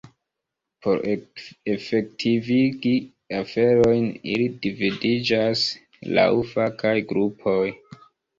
Por efektivigi aferojn, ili dividiĝas laŭ fakaj grupoj.